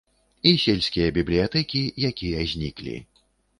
І сельскія бібліятэкі, якія зніклі.